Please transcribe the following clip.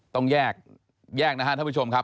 ต้องแยกแยกนะครับท่านผู้ชมครับ